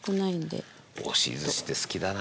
押し寿司って好きだな！